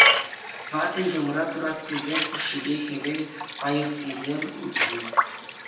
Ватӑ йӑмра тураттисем хушшипе хӗвел пайӑркисем ӳкнӗ.